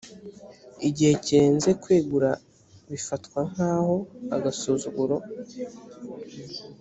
gihe kirenze kwegura bifatwa nk aho agasuzuguro